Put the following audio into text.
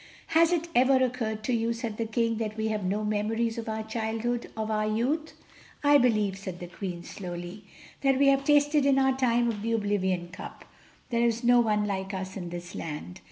"Has it ever occurred to you," said the King, "that we have no memories of our childhood, of our youth—?" "I believe," said the Queen slowly, "that we have tasted in our time of the oblivion cup. There is no one like us in this land.